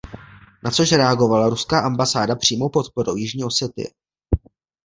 Na což reagovala ruská armáda přímou podporou Jižní Osetie.